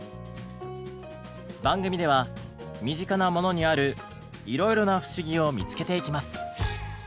番組では身近なものにあるいろいろな不思議を見つけていきます。